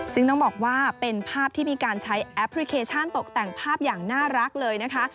ซึ่งต้องบอกว่าเป็นภาพที่มีการใช้แอปพลิเคชันตกแต่งภาพอย่างน่ารักเลยนะคะ